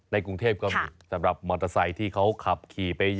กรุงเทพก็มีสำหรับมอเตอร์ไซค์ที่เขาขับขี่ไป